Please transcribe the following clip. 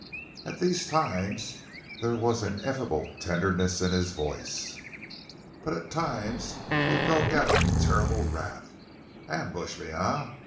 At these times there was ineffable tenderness in his voice. But at times he broke out in terrible wrath. "Ambush me, eh?